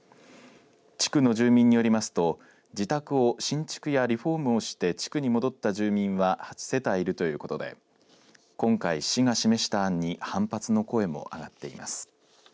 地区の住民によりますと自宅を新築やリフォームをして地区に戻った住民は８世帯いるということで今回、市が示した案に反発の声も上がっています。